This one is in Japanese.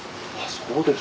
そうです。